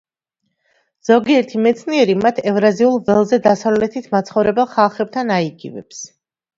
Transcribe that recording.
ზოგიერთი მეცნიერი მათ ევრაზიულ ველზე დასავლეთით მაცხოვრებელ ხალხებთან აიგივებს.